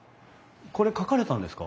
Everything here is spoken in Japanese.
これ描かれたんですか？